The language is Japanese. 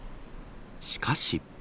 しかし。